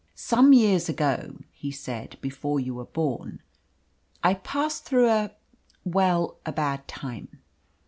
"Some years ago," he said, "before you were born, I passed through a well, a bad time.